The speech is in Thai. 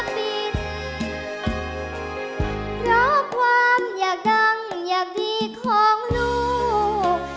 ปิดเพราะความอยากดังอยากดีของลูก